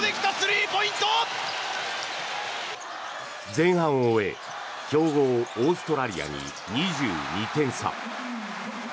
前半を終え強豪オーストラリアに２２点差。